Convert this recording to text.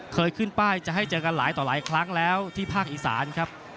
ขึ้นป้ายจะให้เจอกันหลายต่อหลายครั้งแล้วที่ภาคอีสานครับ